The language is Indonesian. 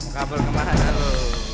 kabur kemana lu